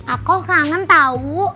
aku kangen tau